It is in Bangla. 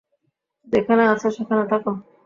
যেখানে আছো সেখানে থাকো।